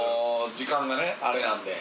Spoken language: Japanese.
時間がねあれなんで。